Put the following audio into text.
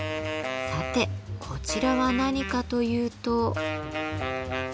さてこちらは何かというと。